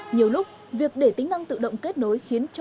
nhiều lúc việc để tính năng tự động kết nối khiến cho